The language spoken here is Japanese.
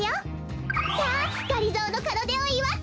さあがりぞーのかどでをいわって。